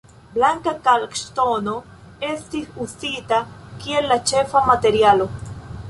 Blanka kalkŝtono estis uzita kiel la ĉefa materialo.